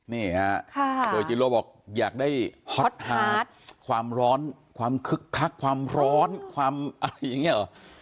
นี่ฮะโดยจิโร่บอกอยากได้ฮอตฮาร์ดความร้อนความคึกคักความร้อนความอะไรอย่างนี้เหรอ